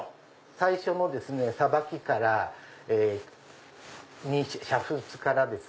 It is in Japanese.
最初のさばきから煮沸からですね